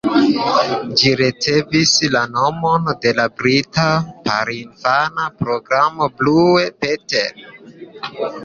Ĝi ricevis la nomon de la brita porinfana programo Blue Peter.